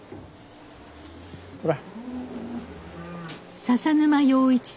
ほら。